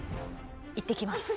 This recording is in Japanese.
いってきます。